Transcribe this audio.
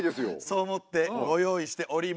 そう思ってご用意しております。